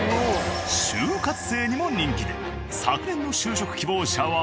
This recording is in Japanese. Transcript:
就活生にも人気で昨年の就職希望者は。